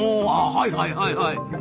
はいはいはいはい。